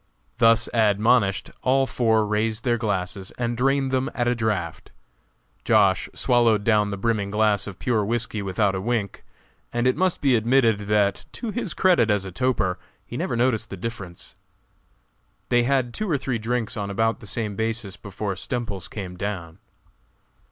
Thus admonished, all four raised their glasses and drained them at a draft. Josh. swallowed down the brimming glass of pure whisky without a wink, and it must be admitted that, to his credit as a toper, he never noticed the difference. They had two or three drinks on about the same basis before Stemples came down.